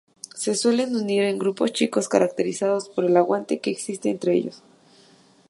Se suelen unir en grupos chicos, caracterizados por el "aguante" que existe entre ellos.